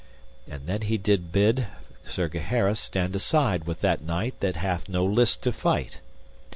And then he did bid Sir Gaheris stand aside with that knight that hath no list to fight.